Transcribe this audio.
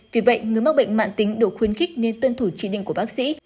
vì vậy người mắc bệnh mạng tính đều khuyên khích nên tuân thủ trí định của bác sĩ